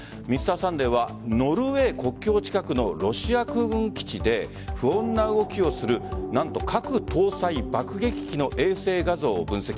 「Ｍｒ．サンデー」はノルウェー国境近くのロシア空軍基地で不穏な動きをする何と核搭載爆撃機の衛星画像を分析。